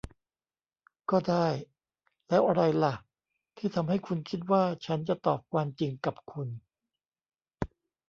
ก็ได้ แล้วอะไรล่ะที่ทำให้คุณคิดว่าฉันจะตอบความจริงกับคุณ